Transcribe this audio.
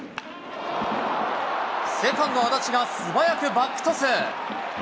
セカンド、安達が素早くバックトス。